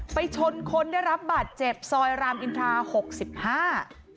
ไปชนคนได้รับบาดเจ็บซอยรามอินทราหกสิบห้า